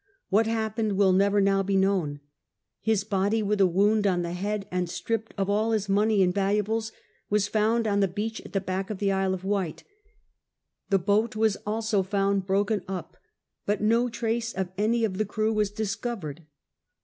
Wliat happened will never now bo known. His body, with a wound on the head and stripped of all his money and valuables, was found on the beach at the back of the Isle of Wight ; the boat was also found broken up; but no trace of any of the crew was discovered.